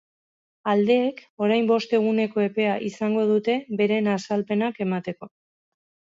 Aldeek orain bost eguneko epea izango dute beren azalpenak emateko.